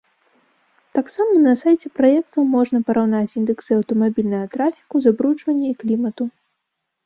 Таксама на сайце праекта можна параўнаць індэксы аўтамабільнага трафіку, забруджвання і клімату.